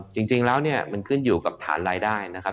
จริงแล้วเนี่ยมันขึ้นอยู่กับฐานรายได้นะครับ